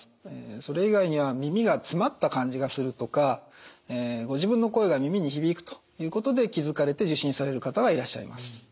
それ以外には耳が詰まった感じがするとかご自分の声が耳に響くということで気付かれて受診される方はいらっしゃいます。